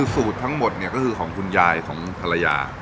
สูตรทั้งหมดเนี่ยก็คือของคุณยายของภรรยา